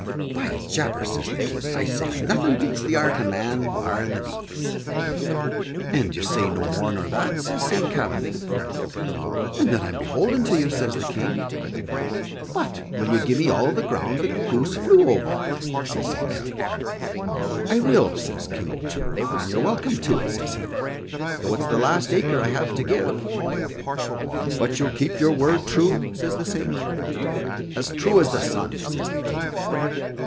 "By Jabers," says the King, "I say nothing beats the art o' man, barring the bees." "And do you say no more nor that?" says Saint Kavin. "And that I'm beholden to you," says the King. "But will you gi' me all the ground the goose flew over?" says Saint Kavin. "I will," says King O'Toole, "and you're welcome to it," says he, "though it's the last acre I have to give." "But you'll keep your word true," says the saint. "As true as the sun," says the King.